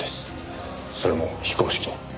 それも非公式に。